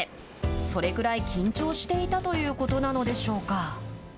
それくらい緊張していたということなのでしょうか。